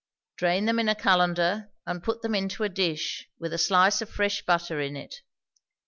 Drain them in a cullender, and put them into a dish, with a slice of fresh butter in it.